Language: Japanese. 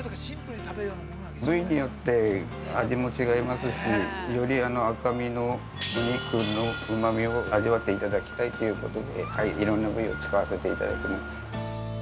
◆部位によって味も違いますし、より赤身のお肉のうまみを味わっていただきたいということで、いろんな部位を使わせていただいてます。